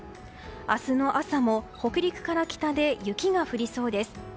明日の朝も北陸から北で雪が降りそうです。